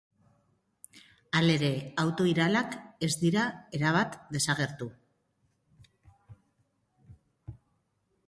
Halere, auto-ilarak ez dira erabat desagertu.